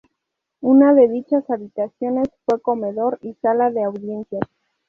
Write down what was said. Una de dichas habitaciones fue comedor y sala de audiencias.